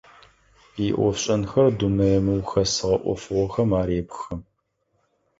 Иӏофшӏэнхэр дунэе мыухэсыгъэ ӏофыгъохэм арепхы.